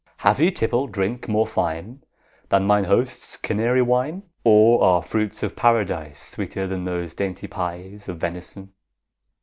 Have ye tippled drink more fine Than mine host's Canary wine? Or are fruits of Paradise Sweeter than those dainty pies Of venison?